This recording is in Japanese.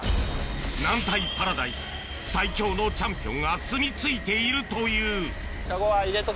軟体パラダイス最強のチャンピオンがすみ着いているというあっ